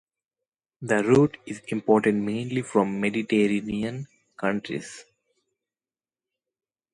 The root is imported mainly from Mediterranean countries.